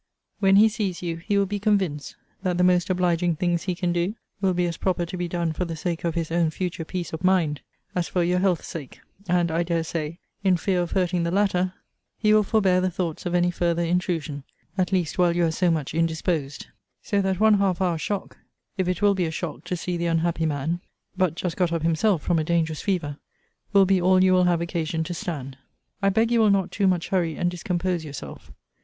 When he sees you, he will be convinced that the most obliging things he can do, will be as proper to be done for the sake of his own future peace of mind, as for your health sake; and, I dare say, in fear of hurting the latter, he will forbear the thoughts of any farther intrusion; at least while you are so much indisposed: so that one half hour's shock, if it will be a shock to see the unhappy man, (but just got up himself from a dangerous fever,) will be all you will have occasion to stand. I beg you will not too much hurry and discompose yourself.